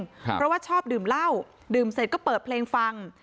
เพราะว่าชอบดื่มเหล้าดื่มเสร็จก็เปิดเพลงฟัง